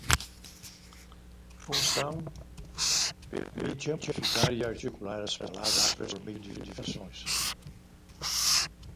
Função: permite amplificar e articular as palavras por meio de vibrações.